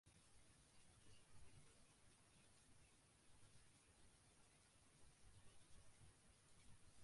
চিকিৎসা বিজ্ঞানীরা এ উদ্ভিদ নিয়ে বিভিন্ন গবেষণা করে যাচ্ছেন।